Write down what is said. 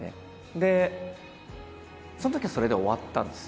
でそのときはそれで終わったんです。